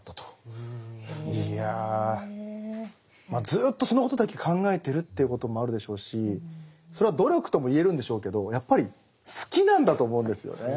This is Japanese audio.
ずっとそのことだけ考えてるということもあるでしょうしそれは努力とも言えるんでしょうけどやっぱり好きなんだと思うんですよね